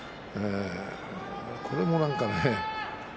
これも、なんかね。